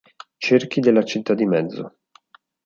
Cerchi della città di mezzo".